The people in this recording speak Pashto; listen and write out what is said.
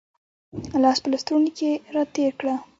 لاس په لستوڼي کې را تېر کړه